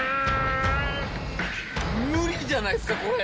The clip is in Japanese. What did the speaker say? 無理じゃないですかこれ！